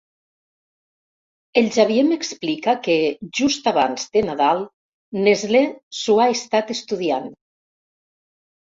El Xavier m'explica que, just abans de Nadal, Nestlé s'ho ha estat estudiant.